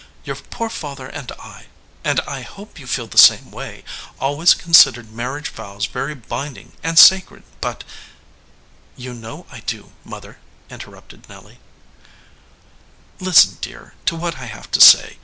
"Your poor father and I and I hope you feel the same way always considered marriage vows very binding and sacred, but " "You know I do, mother," interrupted Nelly. "Listen, dear, to what I have to say.